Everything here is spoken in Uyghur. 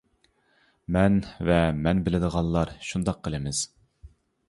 مەن ۋە مەن بىلىدىغانلار شۇنداق قىلىمىز.